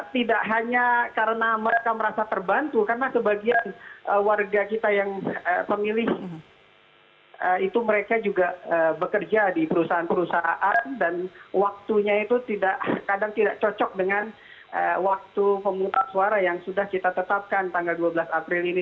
tidak hanya karena mereka merasa terbantu karena sebagian warga kita yang pemilih itu mereka juga bekerja di perusahaan perusahaan dan waktunya itu kadang tidak cocok dengan waktu pemutas suara yang sudah kita tetapkan tanggal dua belas april ini